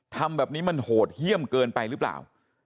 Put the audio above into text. ทำแบบนี้มันโหดเยี่ยมเกินไปหรือเปล่า